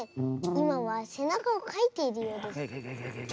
いまはせなかをかいているようです。